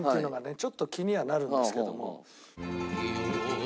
ちょっと気にはなるんですけども。